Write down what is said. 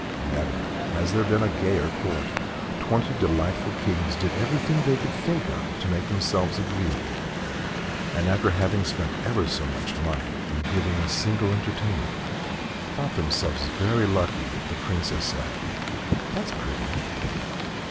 Never has there been a gayer Court. Twenty delightful kings did everything they could think of to make themselves agreeable, and after having spent ever so much money in giving a single entertainment thought themselves very lucky if the Princess said "That's pretty."